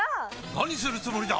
何するつもりだ！？